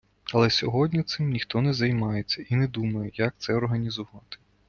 Але сьогодні цим ніхто не займається і не думає, як це організувати.